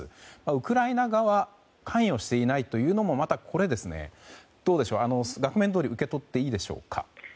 ウクライナ側が関与していないというのも額面どおり受け取っていいでしょうか。